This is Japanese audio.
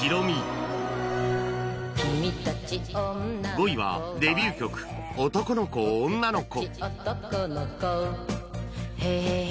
５位はデビュー曲『男の子女の子』